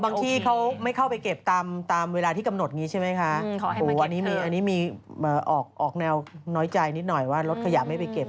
ที่เขาไม่เข้าไปเก็บตามเวลาที่กำหนดอย่างนี้ใช่ไหมคะอันนี้มีออกแนวน้อยใจนิดหน่อยว่ารถขยะไม่ไปเก็บ